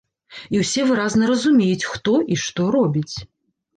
І ўсе выразна разумеюць, хто і што робіць.